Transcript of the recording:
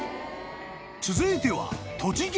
［続いては］